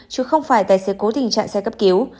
chứ không phải tài xế cố tình trạng xe cấp cứu